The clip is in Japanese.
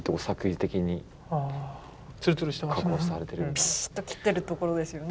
ピシッと切ってるところですよね。